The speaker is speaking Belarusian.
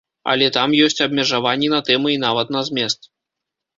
Але там ёсць абмежаванні на тэмы і нават на змест.